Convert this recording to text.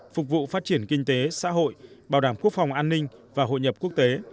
phục vụ phát triển kinh tế xã hội bảo đảm quốc phòng an ninh và hội nhập quốc tế